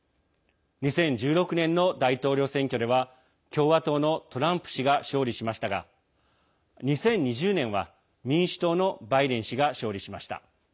２０１６年の大統領選挙では共和党のトランプ氏が勝利しましたが２０２０年は、民主党のバイデン氏が勝利しました。